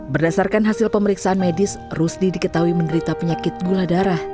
berdasarkan hasil pemeriksaan medis rusdi diketahui menderita penyakit gula darah